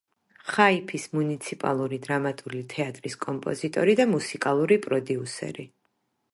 ხაიფის მუნიციპალური დრამატული თეატრის კომპოზიტორი და მუსიკალური პროდიუსერი.